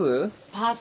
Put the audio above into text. パス。